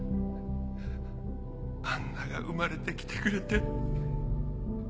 アンナが生まれて来てくれて。